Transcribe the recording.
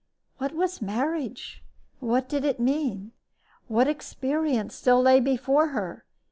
What was marriage? What did it mean? What experience still lay before her!